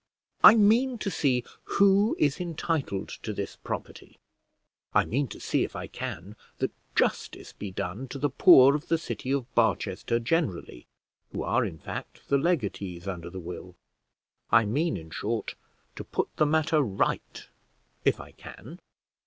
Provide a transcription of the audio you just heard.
I mean to see who is entitled to this property. I mean to see, if I can, that justice be done to the poor of the city of Barchester generally, who are, in fact, the legatees under the will. I mean, in short, to put the matter right, if I can."